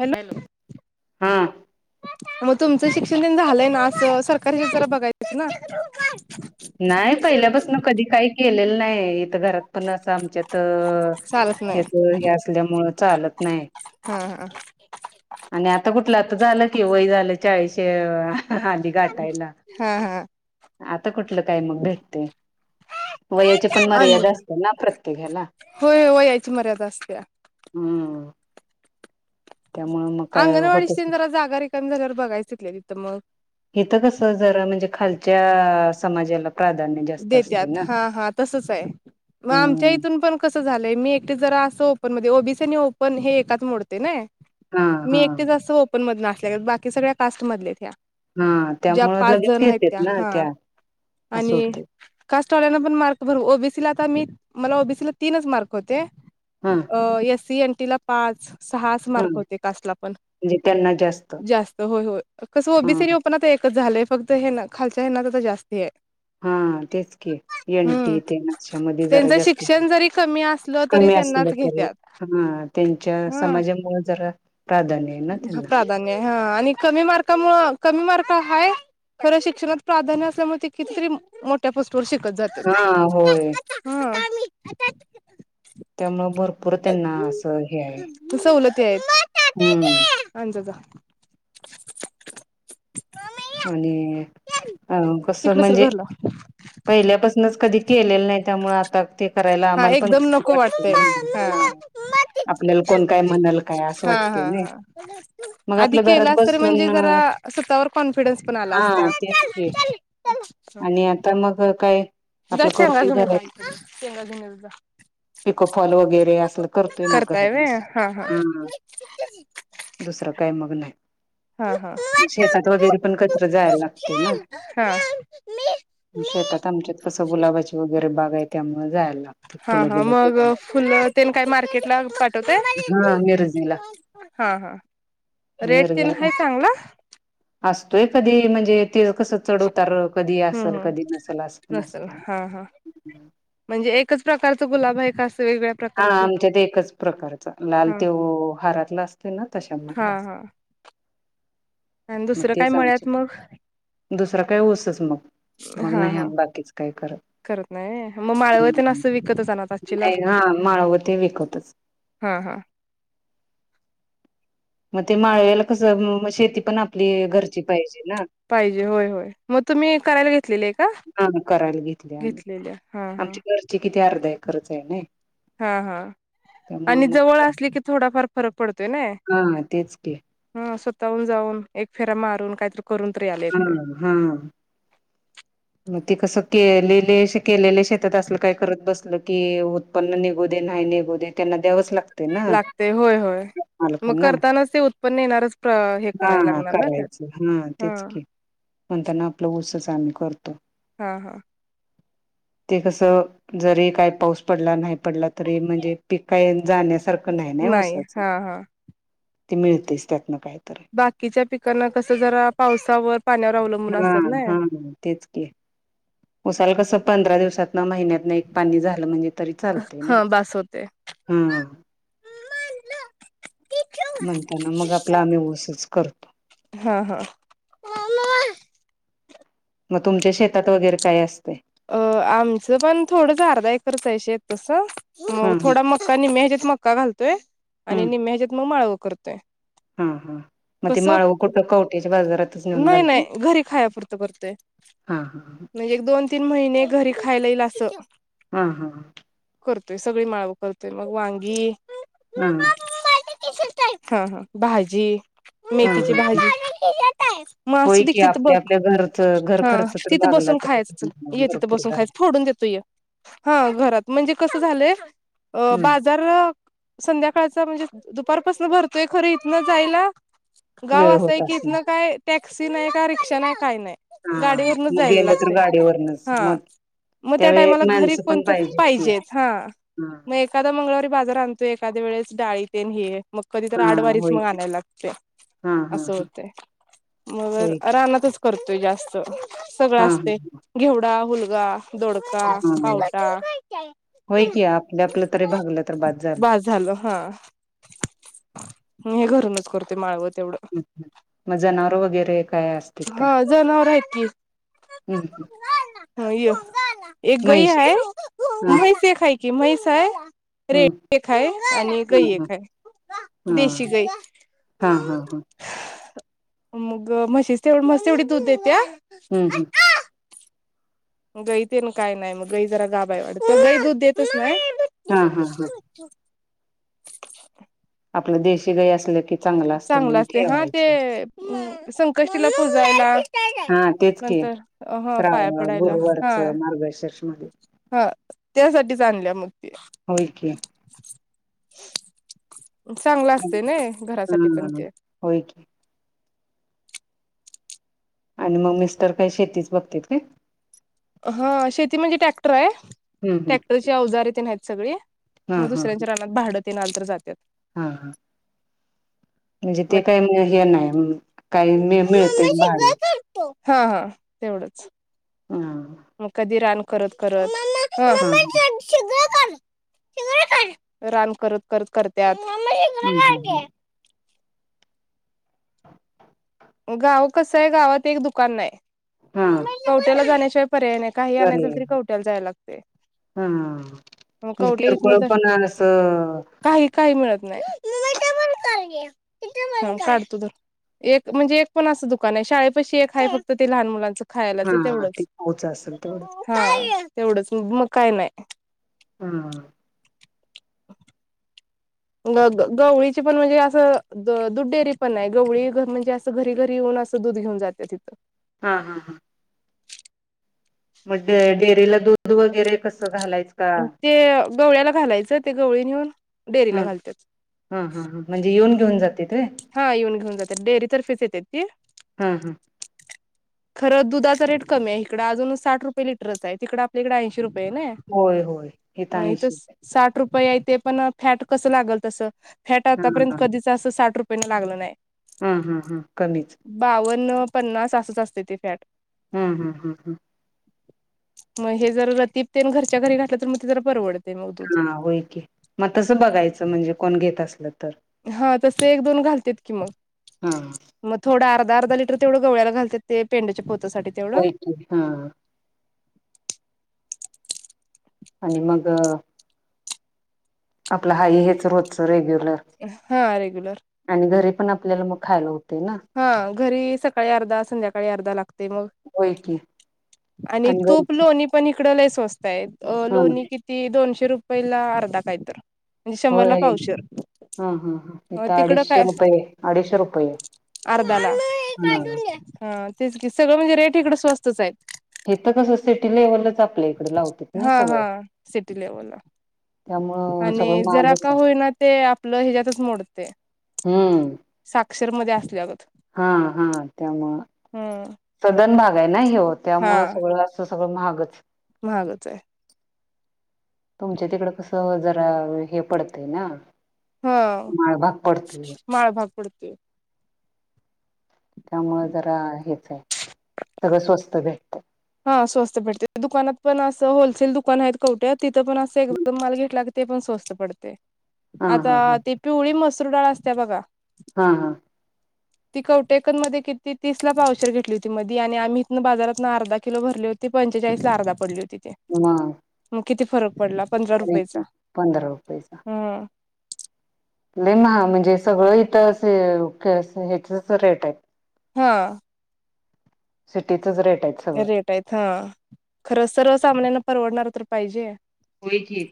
Hello... हा मग तुमच शिक्षण काय झालंय? सरकारी हे ज्यात बघायचं ना. नाही.. पहिल्यापासून कधी काही केलेलं नाहीय. इथ.. घरात पण असं आमच्यात अ चालत नाही ह्याच हे असल्यामुळं चालत नाही. हा हा आणि आता कुठलं? आता झालं कि, वय झालं. चाळीस आली, घाटायला, हा हा आता कुठलं काय मग भेटतयं. वयाची पण आणि मर्यादा असते ना, प्रत्येकाला. होय [unintelligible] असत्या. [inaudible] त्यामुळे मग काय होतच अंगणवाडीशी नाही. जरा जागा रिकामी झाल्यावर बघायच तिथं मग. हित कस जरा म्हणजे खालच्या समाजाला. प्राधान्य जास्त असते देत्यात ना. हा.. हा.. तसच आहे. मग आमच्या हम्म इथून पण कसं झालंय, मी एकटे जरा असं. ओ ओबीसी आणि ओपन हे एकात मोडतयं ना, हा मी हा एकट ओपन मध्ये. बाकी सगळ्या कास्ट मधल्या आहेत्या. म्हयात हा त्यामुळं लगेच घेतेत ना... हा त्या असं होतं. कास्टवाल्यान पण मार्क भरव.. ओबीसीला तर मी मला ओबीसीला तीनच मार्क होते. हा अ... ए. C., N. टी. ला -पाच सहाच मार्क हा होते. कास्ट ला पण, म्हणजे त्यांना जास्त होय.. होय.. कसं ह ओबीसी आणी ओपन आता एकच झालंय. फक्त हेना खालच्या हेनात आता जास्त आहे. हा तेच की एन. हम्म टी ते आशा मध्ये जरा त्यांचं जास्त शिक्षण जरी कमी असलं तरी कमी असलं त्यांनाच तरी, घेत्यात हा त्यांच्या ह समाजामुळे जरा. प्राधान्य आहे ना त्यांना प्राधान्य हा आणि कमी मार्कामुळे कमी मार्क का हाय, खर शिक्षणात प्राधान्य असल्यामुळे किती तरी मोठ्या पोस्ट स्ट वर शिकत जात्यात. हा होय त्यामुळं भरपूर त्यांना असं हे आहे, तेच, हम्म ज जा आणि अ कसं तिकडं सर म्हणजे घरला पहिल्यापासूनच कधी केलेलं नाही त्यामुळे आ ते करायला हा आम्हाला पण एकदम कसं तरी नको वाटतय वाटतंय हम हा आपल्याला कोण काय म्हणल काय असं हा हा वाटतंय नाय, हा हा मग आधी आपलं घरात केलास तर म्हणजे बसून जरा अ स्वतःवर कॉन्फिडन्स पण आला असता तेच की [unintelligible] आणि आता मग काय जा आपलं शेंगा करतोय घेऊन ये जा आईकडनं शेंगा घेऊन ये जा जा. पिको फॉल वगैरे असलं करतोय मग घरात बसून हा. दुसरं काय मग नाही. हा हा शेतात वगैरे पण कधीतर जायला लागतंय ना. हा शेतात आमच्यात कसं गुलाबाची वगैरे बाग आहे त्यामु हा हा मग फुलं तेन काय मार्केट ला पाठवताय? हा मिरजेला हा हा, रेट तेन मिरजेला आहे चांगला? असतोय कधी म्हणजे ते कसं चढ उतार अ हम् हम्, नसल हा हा म्हणजे एकच प्रकारचं गुलाब आहे का असं? वेगळ्या हा प्रकारची आमच्यात एकच प्रकारचा लाल हा त्यो हारातला असतोय ना तशामधला ह आणि मग दुसरं काय तेच आमच्या मळ्यात मग? दुसरा काही ऊसच मग, मग हा नाही हा आम्ही बाकीच काही करत. करत नाही व्हय, मग माळवं तेन असं विकतच आणत असशीला? नाही हा माळव ते विकतच. हा हा. मग ते माळव्याला कसं मग शेती पण आपली घरची पाहिजे. ना पाहिजे होय होय, मग तुम्ही करायला घेतलेलि आहे का? हा करायला घेतलेली हा हा. ते अर्धा एकरच हाय नी. हा हा, आणि मग जवळ असले की थोडाफार फरक पड हा तेच की, जाऊन जाऊन एक फेरा मारून काहीतरी करून तर यायला हा येतंय. हा. ते कसं केलेले केलेले शेतात असलं काय करत बस की उत्पन्न निघू दे नाही निघू दे त्यांना द्यावंच लाग लागतंय होय होय. मग करतानाच ते उत्पन्न येणारच हे करायला हा लागणार ना त्यात करायचं हा. तेच की म्हणताना आपलं ऊसच आम्ही करतो. हा हा ते कसं, जरी काय पाऊस पडला नाही पडला तरी म्हणजे पिक काय जाण्यासारखं नाही ना ऊसाच, हा हा ते मिळतंयच त्यातनं काय बाकीच्या पिकांना कसं जरा पावसावर, पाण्यावर अवलंबून हा असतात ना हा हा, तेच की उसाला कसं पंधरा दिवसात न महिन्यातनं एक पाणी झालं म्हणजे तरी चालतंय नाय, हा बास होते. हम म्हणताना मग आपला आम्ही ऊसच करतो. हा हा मग तुमच्या शेतात वगैरे काय अस. अ आमचं पण थोडंच अर्धा एकरच हाय शेत तस. हा मग थोडा मक्का निम्म्या ह्याच्यात मक्का घालतोय आणि हम्म निम्म्या ह्याच्यात मग माळव करतोय. हा हा मग ते कस माळव कुठं कवट्याच्या बाजारातच नेऊन नाही घालता नाही घरी खाया फुरत करतोय. हा हा म्हणजे, एक दोन तीन महिने घरी खायला येईल असं. हा हा. करतोय सगळी माळव करतोय मग वांगी, हा. हा हा भाजी, हा मेथीची हा भाजी, होय मासू दे की तिथ आपल्या बघ आपल्या घरच घर हा खर्च तिथं बघ. [unintelligible] ये तिथं बसून काय खायच फोडून देतोय हा घरात म्हणजे कसं झालंय. अ हम्म बाजार. संध्याकाळच म्हणजे दुपारपासून भरतोय खरं इथन जायला गाव वेळ असं आहे होत की असेल इथनं काय टॅक्सी नाही, का रिक्षा नाही, काही नाही. गाडी वरनच जायला लागतय. हा म. मग त्या टायमाला घरी कोणत पाहिजेतेत हा मग हा एखादा मंगळवारी बाजार आण तो एखाद्या वेळेस डाळीतन हे मग कधीत आडवारीच होय मग की आणायला लागते. हा हा असं हा होते मग होय की रानातच करतोय जास्त. सगळं हा असते हा. घेवडा, हलगा, दोडका, हा खावटा, होय की आपल्या आपलं तरी भागलं तर बाद बास झालं हा म हे घरूनच. करतोय माळव. मग जनावर वगैरे एक हा जनावर आहेत की, हम्म ह य एक गई म्हैशी आहेय, हा म्हहेस एकाय की, म्हहेस आहे. हम्म रेड एक आहे, आणि गई हा एक आहे. हा देशी गई हा हा हा. मग म्हशी तेवढ मस् तेवढी दूध देत्या. हम्म हम्म. गई ते ना काय नाही मग गई जरा गाबा वाडत गई दूध देतच नाय. हा हा हा [unintelligible] आपलं देशी गाई असलं की. असते चांगलं म्हणून असत हा ठेवायचं ते संकष्टीला पूजायला. हा तेच की नंतर ह पाया श्रावण पडायला हा. गुरुवारच मार्गशीर्ष मध्ये हा त्यासाठीच आणल्या मगती. होय की चांगलं असते नय घरासाठी. पण हा ते होय क. आणि मग मिस्टर काही शेतीच बघत्यात काय. हा शेती म्हणजे ट्रॅक्टर आहे हम्म हम्म टॅक्टरची अवजार तेन आहेत सगळी. हा मग हा दुसऱ्यांच्या रानात भाडत आलं तर जातात. हा हा. म्हणजे ते मग काही हे नाही काही मि मिळतेच भाडे. हा हा तेवढंच. हा मग कधी रान करत करत. हा रान करत करत करत्यात. हा गाव कस आहे गावात एक दुकान नाही हा कवट्याला जाण्या पर्याय नाही काही आणायच बरे तरी कवट्याला जाय लागते. हा म्हणजे मग कवठे. किरकोळ [unintelligible] पण असं नाही. म्हणजे एक पण असं दुकान आहे शाळे खायलातर हा ते तेवढंच पोच असेल तेवढं हा तेवढंच मग काय नाही? हा. [unintelligible] ग गवळीची पण म्हणजे असं दुधडेरी पण आहे गवळी म्हणजे असं घरी घरी येऊन दूधे घेऊन जाते तिथं. हा हा हा. मग डेअरीला दूध वगैरे कसं घालायचं का? ते गवळ्याला घालायचं ते गवळी नेऊन डेअरीला हम घालतात हा हा ह म्हणजे येऊन घेऊन जात हा येऊन घेऊन जातात डेअरी तर्फीच येते ती. हा हा खरं दुधाचा रेट कमी आहे, इकडं अजून साठ रुपये लिटरच आहे तिकडे आपल्याकडे ऐंशी [inaudible] रुपय नय होय होय हे तर आणि इत ऐंशीच आहे साठ रुपय ते पण फॅट कसं लागल तसं फॅट हा आतापर्यंत हा कधीच असं साठ रुपयेने लागलं नाही. हा हा हा कमीच. बावन्न पन्नास असच असते ते फॅट. हम् हम् हम् हम मग हे जर रतपतेन घरच्या घरी घातलं तर मग ते जरा परवडत हा होय की, मग तसं बघायचं म्हणजे कोण घेत असल हा तस एक दोन घालत की मग हा मग थोड अर्धा लिटर तेवढ गवळ्या घालात ते पेडच्यात होय की हा. आणि मग आपलं हाई हेच रोजच रेग्युलर हा रेग्युलर. आणि घरी पण आपल्याला मग खायला ना हा घरी सकाळी अर्धा संध्याकाळी अर्धा लागते मग. होय की आणि तूप लोणी पण इकड लई स्वस्तय हा लोणी किती दोनशे रुपय ला अर्धा काहीतर. होय हा हा ह इथ तिकडं अडीचशे काय रुपये, अडीचशे रुपये हा हा तेचकी सगळ म्हणजे रेट इकडं स्वस्तच हायेत. हे तर कसं सिटी लेव्हलच आपल्या इकडे लावतात नाही हा हा सगळं सिटी लेवलला. त्यामुळं सगळं आणि जरा महागच का होईना ते आपलं हेच्यातच मोडते. हम्म. अक्षरमध्ये असल्या अगं हा हा त्यामुळे हम्म सदन भाग आहे, ना हे हा त्यामुळे सगळं अस सगळं महागच. महागच आहे. तुमच्या तिकड कसं जरा हे पडतंय ना. हा माळभाग पडतोय. माळभाग पडतोय. त्यामुळे जरा हेच आहे सगळं स्वस्तच आहे. हा स्वस्त भेटते दुकानात पण असं होलसेल दुकान आहेत कवठ्या तिथं पण असं एकदम माल घेतला ते पण स्वस्त पडते हा हा हा आता ती पिवळी मसरू डाळ असते बघा. हा हा. ती कवटेकन मध्ये किती तीस ला पावशर घेतली होती मधी आणि आम्ही इथ बाजारात अर्धा किलो भरली होती पंचेचाळीस ला अर्धा पडली होती ते मग मग किती फरक? पडला पंधरा रुपययाचा पंधरा हम्म. लइ महाग म्हणजे सगळं इथं असे ह्याचच रेट आहे. हा. सिटीत. रेट आहेत हा खरंच सर्व सामान्यांना परवडणार तर पाहिजे. होयकी,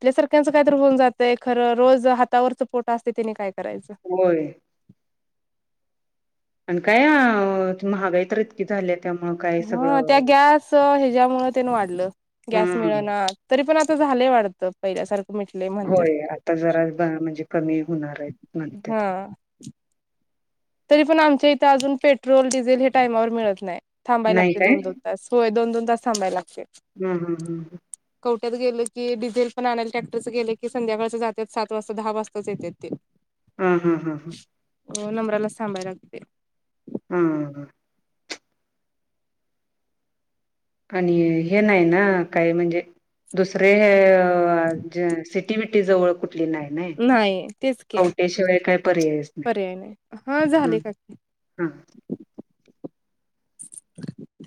आपल्या सारख्यांचं काय तर होऊन जातंय खरं रोज हातावरचं पोटा असते तिने काय क होय. आणि काय महागाई तर इतकी झालेत. ह त्या गॅस ह्यच्या मुळे त्यान वाढलं गॅस मिळ हम्म ना, तरी पण आप झालंय वाटत पहिल्या सारख. होय आता जरा म्हणजे कमी होणार आहे म्हणत्यात. हा तरी पण आमच्या इथ अजून पेट्रोल, डिझेल हे टायमावर मिळत नाही. थांबाय नाही लागते दोन, दोन तास. होय दोन दोन तासथांबाय लागते. हम् हम् हम् ह! कवट्यात गेलकी डिझेल पण आणायला ट्रॅक्टरचं गेले की संध्याकाळचं जातात सात वाजता दहा वाजताच येत ते. हम हम् हम ह! हो नंबराला चे थांबााय लागते. हम ह! आणि हे नाही ना. काय म्हणजे? दुसरे हे. सिटी बिटी जवळ कुठ? नाही नाही तेच की कवटेशिवाय काही पर्यायच नाही पर्याय हा झाले काकी हम! [inaudible]